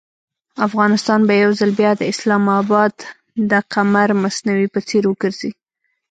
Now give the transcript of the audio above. افغانستان به یو ځل بیا د اسلام اباد د قمر مصنوعي په څېر وګرځي.